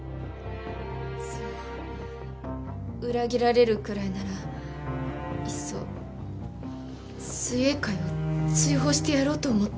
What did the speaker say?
そう裏切られるくらいならいっそ水泳界を追放してやろうと思った。